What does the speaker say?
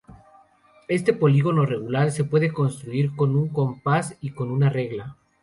Este polígono regular se puede construir con un compás y con una regla.